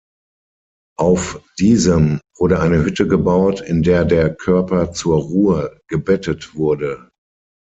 Auf diesem wurde eine Hütte gebaut, in der der Körper zur Ruhe gebettet wurde.